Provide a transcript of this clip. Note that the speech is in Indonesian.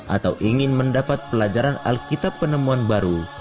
atau ingin mendapat pelajaran alkitab penemuan baru